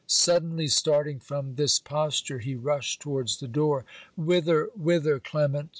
Suddenly starting from this posture, he rushed towards the door. 'Whither, whither, Clement!'